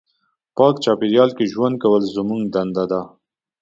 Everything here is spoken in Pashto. پاک چاپېریال کې ژوند کول زموږ دنده ده.